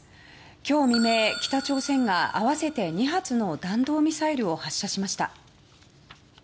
今日未明、北朝鮮が合わせて２発の弾道ミサイルを発射しました。